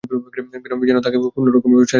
বিনয় যেন তাহাকে কোনোমতেই ছাড়িতে চাহিল না।